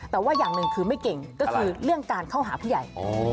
แต่ว่าอย่างหนึ่งคือไม่เก่งก็คือเรื่องการเข้าหาผู้ใหญ่